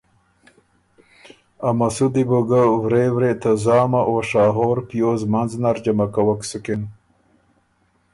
ا مسوُدی بو ګۀ ورې ورې ته زامه او شاهور پیوز منځ نر جمع کوک سُکِن